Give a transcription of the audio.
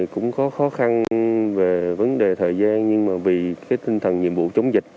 cũng có khó khăn về vấn đề thời gian nhưng mà vì cái tinh thần nhiệm vụ chống dịch